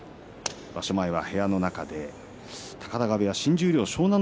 場所前は部屋の中で高田川部屋、新十両湘南乃